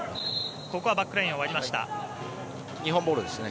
ここはバックラインを割りました。